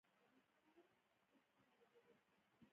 آیا کینه دې ورک نشي؟